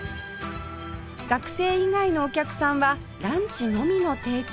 学生以外のお客さんはランチのみの提供